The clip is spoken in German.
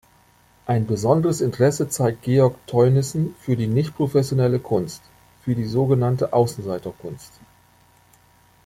Ein besonderes Interesse zeigt Georg Theunissen für die nicht-professionelle Kunst, für die sogenannte Außenseiter-Kunst.